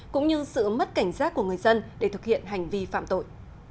cũng như sự mất cảnh giác của người dân để thực hiện hành vi phạm tội